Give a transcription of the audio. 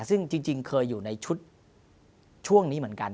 ซึ่งจริงเคยอยู่ในชุดช่วงนี้เหมือนกัน